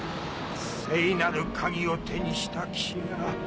聖なる鍵を手にした騎士が